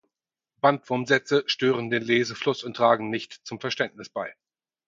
Bandwurmsätze stören den Lesefluss und tragen nicht zum Verständnis bei.